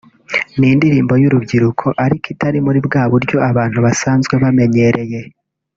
ni indirimbo y’urukundo ariko itari muri bwa buryo abantu basanzwe bamenyereye